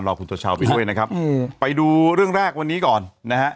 คุณตัวชาวไปด้วยนะครับอืมไปดูเรื่องแรกวันนี้ก่อนนะฮะ